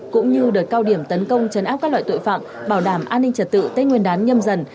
cũng như đợt cao điểm tấn công chấn áp các loại tội phạm bảo đảm an ninh trật tự tết nguyên đán nhâm dần